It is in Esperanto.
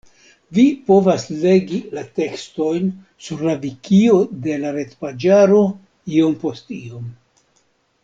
Vi povas legi la tekstojn sur la Vikio de la retpaĝaro Iom post iom.